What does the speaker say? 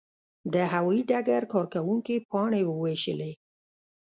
د هوايي ډګر کارکوونکي پاڼې وویشلې.